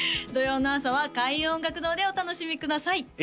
土曜の朝は開運音楽堂でお楽しみください